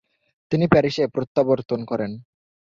তিনি প্যারিসে প্রত্যাবর্তন করেন।